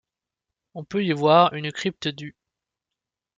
On peut y voir une crypte du -.